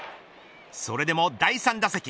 それでも第３打席。